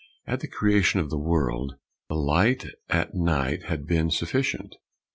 At the creation of the world, the light at night had been sufficient.